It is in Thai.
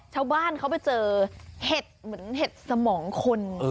ชาวบ้านเขาไปเจอเห็ดเหมือนเห็ดสมองคน